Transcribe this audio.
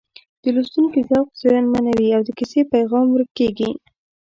د لوستونکي ذوق زیانمنوي او د کیسې پیغام ورک کېږي